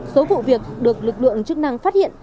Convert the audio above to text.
số vụ việc được lực lượng chức năng phát hiện